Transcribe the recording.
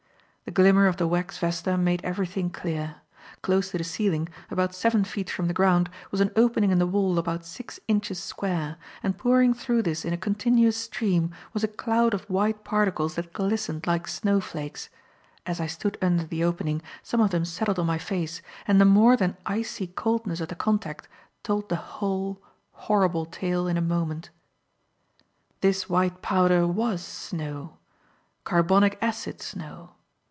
The glimmer of the wax vesta made everything clear. Close to the ceiling, about seven feet from the ground, was an opening in the wall about six inches square; and pouring through this in a continuous stream was a cloud of white particles that glistened like snowflakes. As I stood under the opening, some of them settled on my face; and the more than icy coldness of the contact, told the whole, horrible tale in a moment. This white powder WAS snow carbonic acid snow.